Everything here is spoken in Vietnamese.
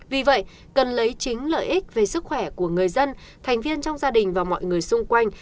vì vậy cần lấy chính lợi ích về sức khỏe của người dân thành viên trong gia đình và mọi người xung quanh